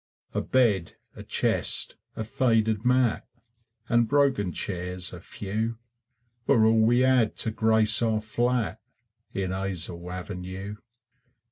A bed, a chest, a faded mat, And broken chairs a few, Were all we had to grace our flat In Hazel Avenue.